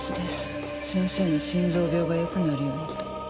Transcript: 先生の心臓病が良くなるようにと。